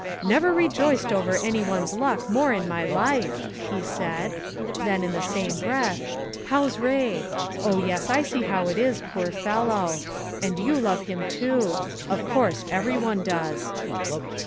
"Never rejoiced over any one's luck more in my life!" he said; then, in the same breath, "How's Ray? Oh yes, I see how it is, poor fellow! And you love him too; of course, every one does."